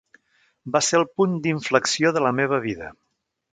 Va ser el punt d'inflexió de la meva vida.